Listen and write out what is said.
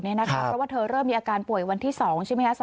เพราะว่าเธอเริ่มมีอาการป่วยวันที่๒ใช่ไหมครับ